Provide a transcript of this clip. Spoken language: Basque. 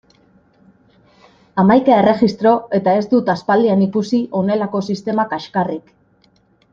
Hamaika erregistro eta ez dut aspaldian ikusi honelako sistema kaxkarrik!